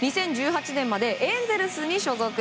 ２０１８年までエンゼルスに所属。